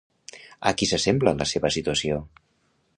A qui s'assembla la seva situació?